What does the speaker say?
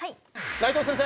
内藤先生。